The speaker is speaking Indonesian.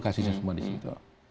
kasihnya semua di situ